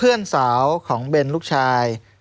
เพื่อนสาวของเบนลูกชาย